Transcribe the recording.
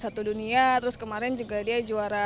satu dunia terus kemarin juga dia juara